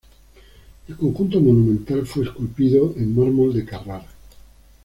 El conjunto monumental fue esculpido en mármol de Carrara.